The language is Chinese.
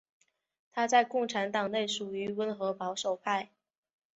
他在共和党内属于温和保守派。